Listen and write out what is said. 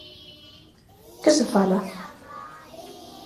_¿Que se fala?